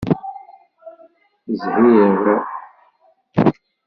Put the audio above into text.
Zhiɣ.